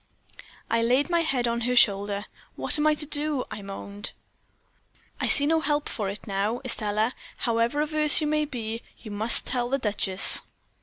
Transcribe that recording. "I laid my head on her shoulder. "'What am I to do?' I moaned. "'I see no help for it now, Estelle; however averse you may be, you must tell the duchess.'